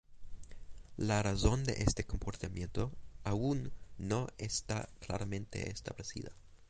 La razón de este comportamiento aún no está claramente establecida.